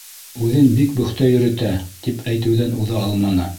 Үҙен бик бөхтә йөрөтә, — тип әйтеүҙән уҙа алманы.